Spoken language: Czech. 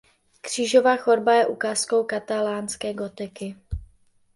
Křížová chodba je ukázkou katalánské gotiky.